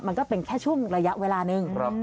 มันก็เป็นแค่ช่วงระยะเวลานึง